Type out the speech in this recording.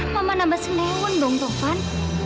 mama nambah senyum dong tovan